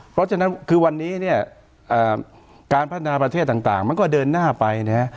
เพราะฉะนั้นคือวันนี้เนี่ยการพัฒนาประเทศต่างมันก็เดินหน้าไปนะฮะ